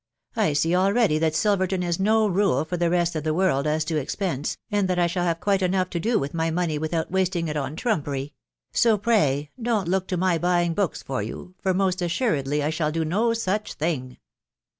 I see already that Silverton is no rule for the rest of the world as to expense, and that I shall have quite enough to do with my money without wasting it on trumpery ;.... so, pray, don't look to my buying books for you, for most as suredly I shall do no such thing."